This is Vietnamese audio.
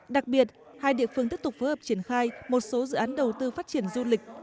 đặc biệt hai địa phương tiếp tục phối hợp triển khai một số dự án đầu tư phát triển du lịch